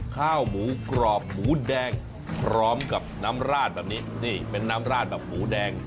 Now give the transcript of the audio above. ข้าวหมูกรอบหมูแดงพร้อมกับน้ำราดแบบนี้นี่เป็นน้ำราดแบบหมูแดง